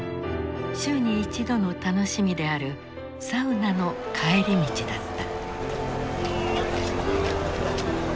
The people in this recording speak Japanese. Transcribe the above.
週に一度の楽しみであるサウナの帰り道だった。